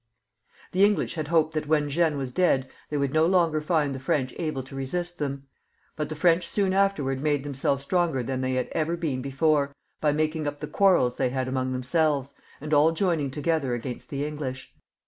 The English had hoped that when Jeanne was dead, they would no longer find the French able to resist them ; but the French, soon after, made themselves stronger than they had ever been before, by making up the quarrels they had among themselves, and all joining together against the English.